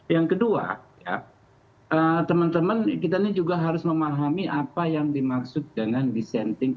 yang kedua ya temen temen kita nih juga harus memahami apa yang dimaksud dengan disenting